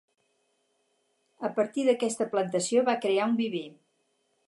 A partir d’aquesta plantació va crear un viver.